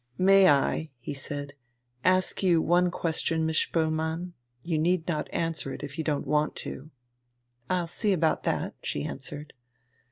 "May I," he said, "ask you one question, Miss Spoelmann? You need not answer it if you don't want to." "I'll see about that," she answered.